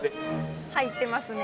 入ってますね。